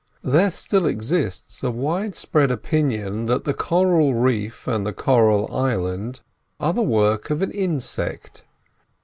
There still exists a widespread opinion that the coral reef and the coral island are the work of an "insect."